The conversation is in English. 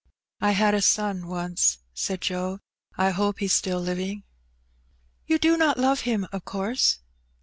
"I had a son once,'' said Joe. "I hope he's still living." "You do not love him, of course?'